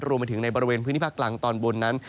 รวมไปถึงในบริเวณพื้นที่ภาคกลางตอนบนนั้น